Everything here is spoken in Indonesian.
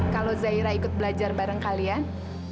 kalau zaira ikut belajar bareng kalian